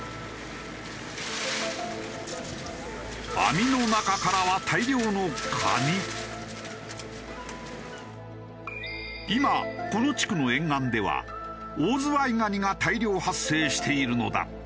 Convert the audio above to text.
網の中からは今この地区の沿岸ではオオズワイガニが大量発生しているのだ。